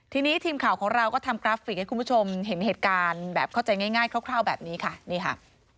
ทีนี้ทีมข่าวของเราก็ทำกราฟิกให้คุณผู้ชมเห็นเหตุการณ์แบบเข้าใจง่ายคร่าวแบบนี้ค่ะนี่ค่ะ